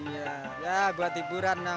iya buat hiburan seneng